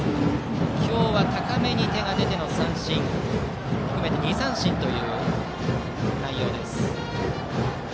今日は高めに手が出ての三振含めて２三振という内容。